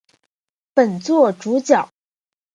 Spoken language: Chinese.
本作主角。